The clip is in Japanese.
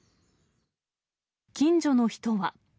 近所の人は。